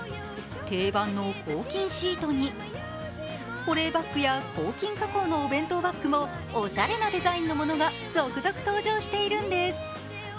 定番の抗菌シートに、保冷バッグや抗菌加工のお弁当バッグもおしゃれなデザインのものが続々登場しているんです。